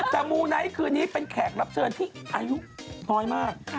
แต่มูไนท์คืนนี้เป็นแขกรับเชิญที่อายุน้อยมาก